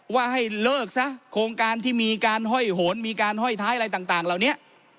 ว่าให้เลิกซะโครงการที่มีการห้อยโหนมีการห้อยท้ายอะไรต่างเหล่านี้